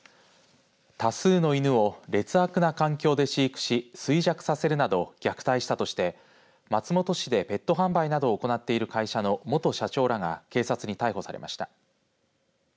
多数の犬を劣悪な環境で飼育し衰弱させるなど虐待したとして松本市でペット販売などを行っている会社の元社長らが警察に逮捕されました。